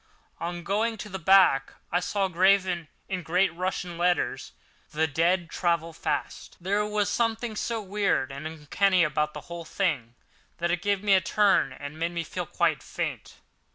On going to the back I saw, graven in great Russian letters: "The dead travel fast." There was something so weird and uncanny about the whole thing that it gave me a turn and made me feel quite faint.